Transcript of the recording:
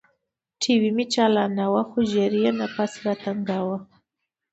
ټي وي مې چالاناوه خو ژر يې نفس راتنګاوه.